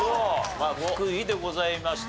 福井でございました。